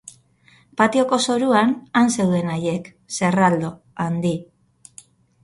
Patioko zoruan, han zeuden haiek, zerraldo, handi.